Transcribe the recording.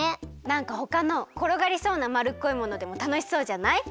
なんかほかのころがりそうなまるっこいものでもたのしそうじゃない？